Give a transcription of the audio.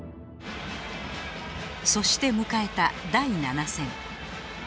そして迎えた第７戦